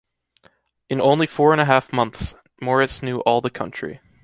In only four and a half months, Morris knew all the country.